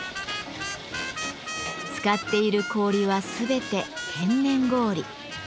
使っている氷は全て天然氷。